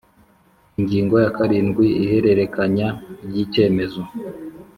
Ingingo ya karindwi Ihererekanya ry icyemezo